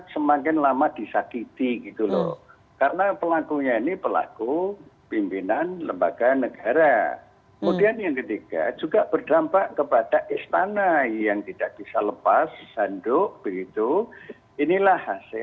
sikap integritas yang tegas